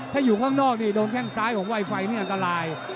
ถ้าอยู่ข้างนอกนี่โดนแข้งซ้ายของไวไฟนี่อันตราย